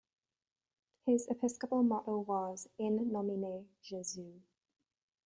His episcopal motto was "In nomine Jesu".